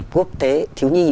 quốc tế thiếu nhi